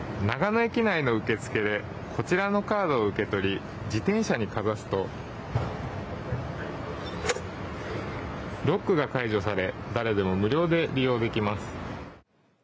長野駅内の受け付けでこちらのカードを受け取り自転車にかざすとロックが解除され誰でも無料で利用できます。